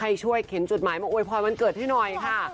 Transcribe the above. ให้ช่วยเข็นจดหมายมาอวยพรวันเกิดให้หน่อยค่ะ